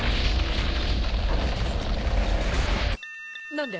何で？